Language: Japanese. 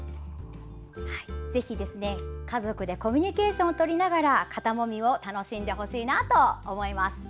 ぜひ家族でコミュニケーションをとりながら肩もみを楽しんでほしいなと思います。